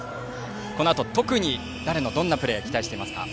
このあと特に誰のどんなプレーを期待していますか。